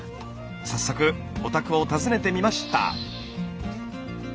早速お宅を訪ねてみました。